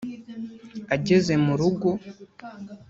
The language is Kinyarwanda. Ageze mu rugo